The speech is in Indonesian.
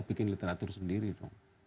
bikin literatur sendiri dong